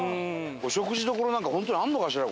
お食事どころなんか本当にあるのかしら？